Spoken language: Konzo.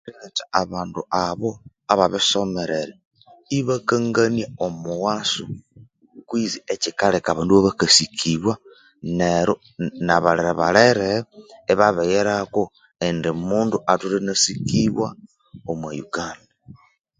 Eriletha abo abandu ababisomerere ibakangania omughaso kwesi ekyikaleka abandu iniabya akasikibwa nryo nabalerebaler ibabighirako indi omundu omu Uganda atholere inyabya akasikibwa